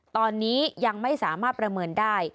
ตอนนี้ยังไม่สามารถประเมินได้